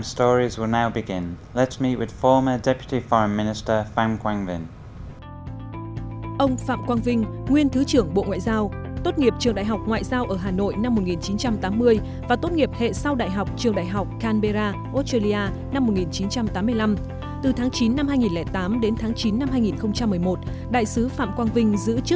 sau đây xin kính mời quý vị khán giả cùng gặp gỡ nguyên thứ trưởng bộ ngoại giao phạm quang vinh trong tiểu mục